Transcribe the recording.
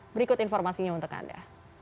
berikut informasinya untuk anda